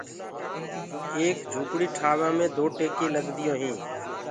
ايڪ جُهپڙي ٺآوآ مي دو ٽيڪينٚ لگديٚونٚ هينٚ۔